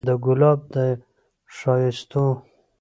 د ګلاب د ښايستو